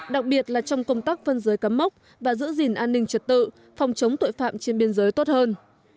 đặc biệt là trong công tác phân giới cắm mốc và giữ gìn an ninh trật tự phòng chống tội phạm trên biên giới tốt hơn